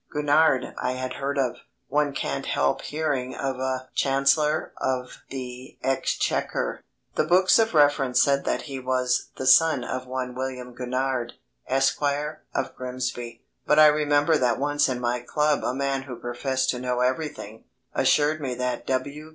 Gurnard I had heard of. One can't help hearing of a Chancellor of the Exchequer. The books of reference said that he was the son of one William Gurnard, Esq., of Grimsby; but I remember that once in my club a man who professed to know everything, assured me that W.